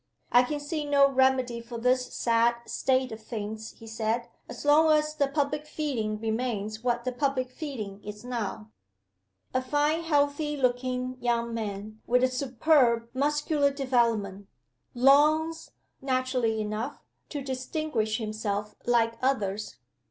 "I can see no remedy for this sad state of things," he said, "as long as the public feeling remains what the public feeling is now. A fine healthy looking young man, with a superb muscular development, longs (naturally enough) to distinguish himself like others.